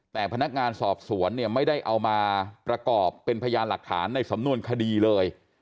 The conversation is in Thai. แต่พนักงานสอบสวนเนี่ยไม่ได้เอามาประกอบเป็นพยานหลักฐานในสำนวนคดีเลย